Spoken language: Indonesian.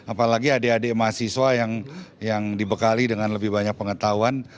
apalagi adik adik mahasiswa yang dibekali dengan lebih banyak pengetahuan